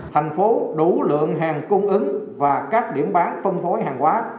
thành phố đủ lượng hàng cung ứng và các điểm bán phân phối hàng quá